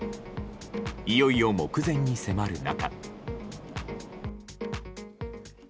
いよいよ目前に迫る中。